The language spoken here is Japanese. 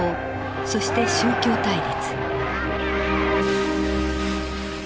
そして宗教対立。